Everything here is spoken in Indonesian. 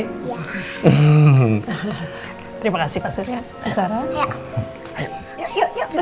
terima kasih pak suri